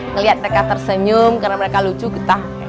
melihat mereka tersenyum karena mereka lucu kita happy kak